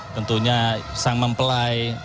tentunya sang mempelai